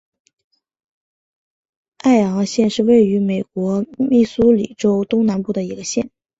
艾昂县是位于美国密苏里州东南部的一个县。